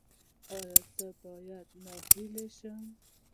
ایا زه باید ناهیلي شم؟